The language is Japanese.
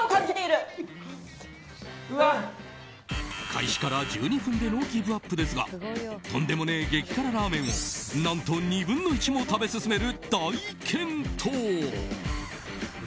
開始から１２分でのギブアップですがとんでもねぇ激辛ラーメンを何と２分の１も食べ進める大健闘！